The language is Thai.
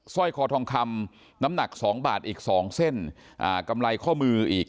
สร้อยคอทองคำน้ำหนัก๒บาทอีก๒เส้นกำไรข้อมืออีก